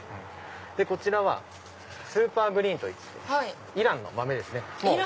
こちらはスーパーグリーンというイランの豆ですね。